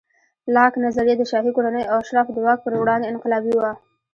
لاک نظریه د شاهي کورنیو او اشرافو د واک پر وړاندې انقلابي وه.